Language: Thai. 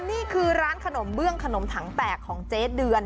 นี่คือร้านขนมเบื้องขนมถังแตกของเจ๊เดือน